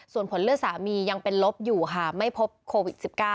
ส่วนผลเลือดสามียังเป็นลบอยู่ค่ะไม่พบโควิด๑๙